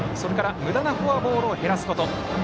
むだなフォアボールを減らすこと。